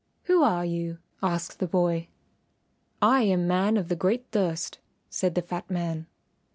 "Who are you?" asked the boy. "I am Man of the Great Thirst," said the fat man.